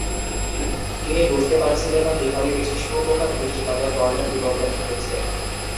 তিনি বুঝতে পারছিলেন না কিভাবে কিছু শুঁয়োপোকার দৃষ্টিনন্দন বর্ণের বিবর্তন ঘটেছে।